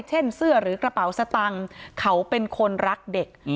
เช่นเสื้อหรือกระเป๋าสตังค์เขาเป็นคนรักเด็ก